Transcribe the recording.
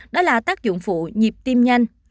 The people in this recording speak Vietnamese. đó là tác dụng phụ nhịp tiêm nhanh